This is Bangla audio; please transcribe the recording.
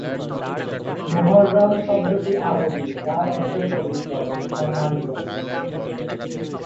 মুহররম শব্দটি আরবি যার অর্থ পবিত্র, সম্মানিত।